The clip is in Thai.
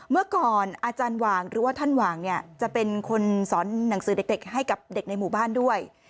เมื่อก่อนอาจารย์หว่างหรือว่าท่านหว่างเนี่ยจะเป็นคนสอนหนังสือเด็กให้กับเด็กในหมู่บ้านด้วย